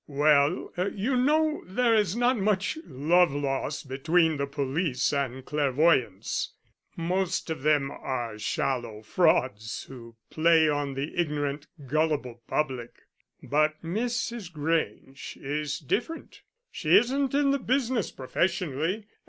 Well, you know there is not much love lost between the police and clairvoyants; most of them are shallow frauds who play on the ignorant gullible public. But Mrs. Grange is different: she isn't in the business professionally.